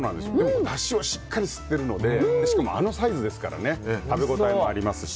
だしをしっかり吸ってるのでしかもあのサイズですからね食べ応えもありますし。